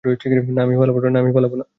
না, আমি পালাবো না।